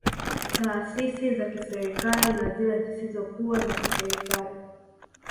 Taasisi za kiserikali na zile zisizo kuwa za kiserikali